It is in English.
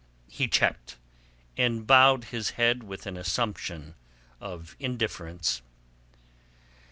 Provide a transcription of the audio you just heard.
He checked, and bowed his head with an assumption of indifference.